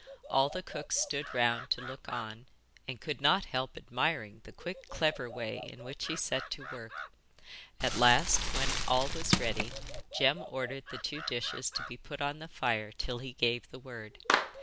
All the cooks stood round to look on, and could not help admiring the quick, clever way in which he set to work. At last, when all was ready, Jem ordered the two dishes to be put on the fire till he gave the word.